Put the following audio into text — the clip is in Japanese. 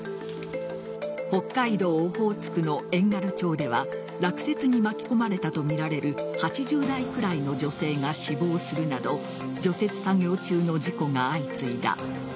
北海道オホーツクの遠軽町では落雪に巻き込まれたとみられる８０代くらいの女性が死亡するなど除雪作業中の事故が相次いだ。